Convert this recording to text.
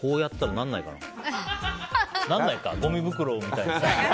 なんないか、ごみ袋みたいに。